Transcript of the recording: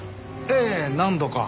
ええ何度か。